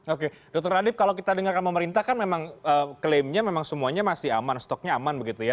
oke dr radip kalau kita dengarkan pemerintah kan memang klaimnya memang semuanya masih aman stoknya aman begitu ya